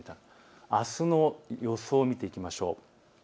あすの予想を見ていきましょう。